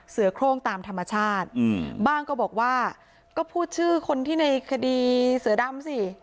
เสือโครงตามธรรมชาติบ้างก็บอกว่าก็พูดชื่อคนที่ในคดีเสือดำสิ